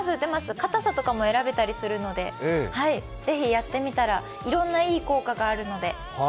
かたさとかも選べたりするのでぜひやってみたら、いろんないい効果があるので。